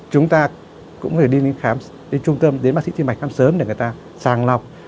chúng ta cũng phải đi khám đến trung tâm đến bác sĩ tim mạch khám sớm để người ta sàng lọc